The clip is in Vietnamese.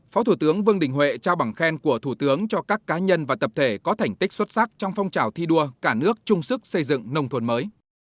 phó thủ tướng vương đình huệ trao bằng khen của thủ tướng cho các cá nhân và tập thể có thành tích xuất sắc trong phong trào thi đua cả nước chung sức xây dựng nông thôn mới